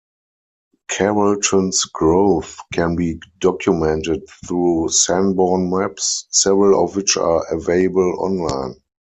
Carrollton's growth can be documented through Sanborn Maps, several of which are available online.